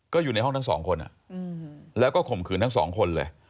ก็อยู่ในห้องทั้งสองคนแล้วก็ข่มขืนทั้งสองคนเลย